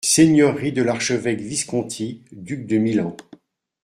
- Seigneurie de l'archevêque Visconti, duc de Milan.